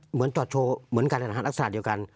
เหมือนจอดโชว์เหมือนกันนะครับลักษณะเดียวกัน